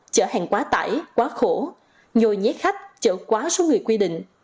chở hàng quá tải quá khổ nhồi nhét khách chở quá số người quy định